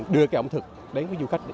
đưa cái ẩm thực đến với du khách